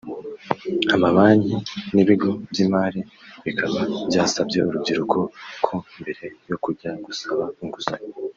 amabanki n’ibigo by’imari bikaba byasabye urubyiruko ko mbere yo kujya gusaba inguzanyo